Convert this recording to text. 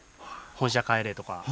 本社帰れとか。